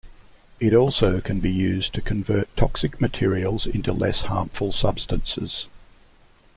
It also can be used to convert toxic materials into less harmful substances.